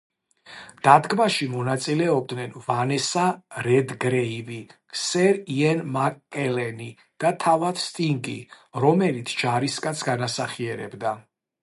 დადგმაში მონაწილებდნენ ვანესა რედგრეივი, სერ იენ მაკ-კელენი და თავად სტინგი, რომელიც ჯარისკაცს განასახიერებდა.